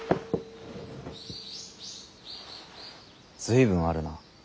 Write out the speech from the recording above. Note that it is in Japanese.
随分あるな。